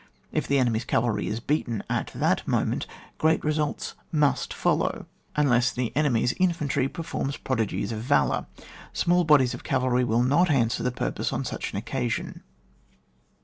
If the enemy's cavalry is beaten at that moment, great results must follow, 106 ON WAR. unless the enemy's infantry performs prodigies of valour. Small bodies of cavalry will not answer the purpose on such an occasion.